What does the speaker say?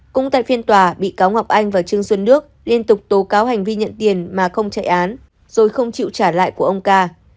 cũng tại phiên tòa bị cáo ngọc anh và trương xuân nước liên tục tố cáo hành vi nhận tiền mà không chạy án rồi không chịu trả lại của ông ca